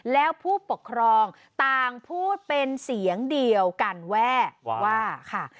แล้วผู้ปกครองต่างพูดเป็นเสียงเดียวกันแวะว่าค่ะ